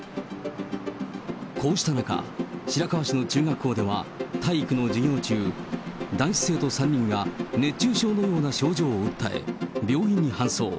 こうした中、白河市の中学校では、体育の授業中、男子生徒３人が熱中症のような症状を訴え、病院に搬送。